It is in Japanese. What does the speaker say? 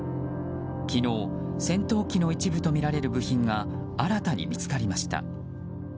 昨日、戦闘機の一部とみられる部品が新たに見つかりました。